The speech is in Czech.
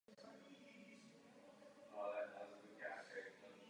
Nedalo se očekávat nic jiného než porážka Číny.